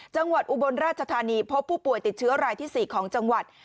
อุบลราชธานีพบผู้ป่วยติดเชื้อรายที่๔ของจังหวัด